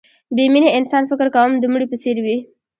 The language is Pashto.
بې مینې انسان فکر کوم د مړي په څېر وي